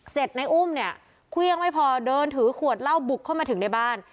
ในอุ้มเนี่ยเครื่องไม่พอเดินถือขวดเหล้าบุกเข้ามาถึงในบ้าน